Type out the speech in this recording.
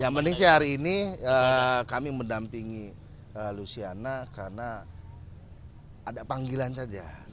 yang penting sih hari ini kami mendampingi luciana karena ada panggilan saja